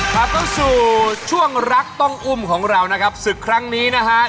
ครับต้องสู่ช่วงรักต้องอุ้มของเรานะครับศึกครั้งนี้นะฮะ